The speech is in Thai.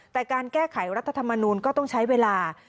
แต่การแก้ไขรัฐธรรมนูลก็ต้องใช้เวลา